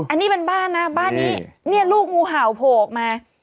อันนี้บ้านนะบ้านนี้นี้นี่ลูกงูเห่าผมมา